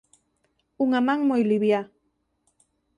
Unha man moi liviá.